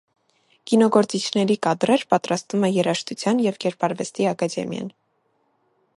Կինոգործիչների կադրեր պատրաստում է երաժշտության և կերպարվեստի ակադեմիան։